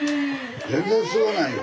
全然すごないよ。